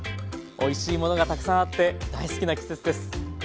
おいしいものがたくさんあって大好きな季節です。